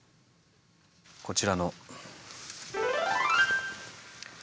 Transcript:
こちらの。